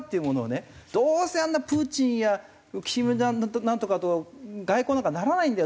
どうせあんなプーチンや金ナントカと外交なんかならないんだよ。